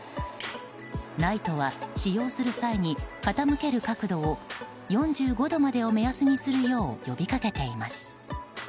ＮＩＴＥは使用する際に傾ける角度を４５度までを目安にするよう呼びかけています。